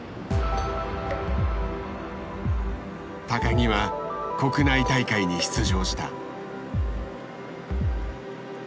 木は国内大会に出場した。